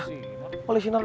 wanita kita bisa ber involvasi